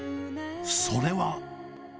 それは。